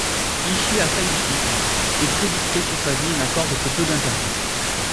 Ishii Hisaichi est très discret sur sa vie et n’accorde que peu d’interviews.